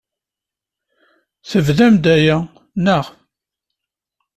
Tebdam-d aya, naɣ?